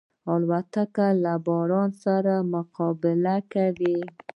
الوتکه له باران سره مقابله کوي.